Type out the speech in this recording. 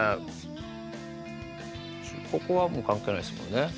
ここはもう関係ないですもんね。